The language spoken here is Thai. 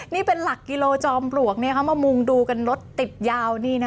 นี่เป็นหลักกิโลจอมปลวกมามุงดูกันรถติดยาวนี่นะ